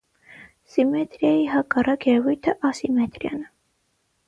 Սիմետրիայի հակառակ երևույթը ասիմետրիան է։